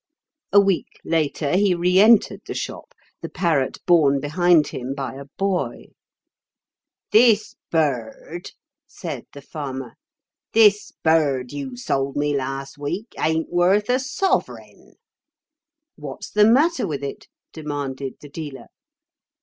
A week later he re entered the shop, the parrot borne behind him by a boy. 'This bird,' said the farmer, 'this bird you sold me last week ain't worth a sovereign!' 'What's the matter with it?' demanded the dealer.